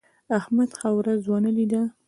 احمد ښه ورځ ونه لیده.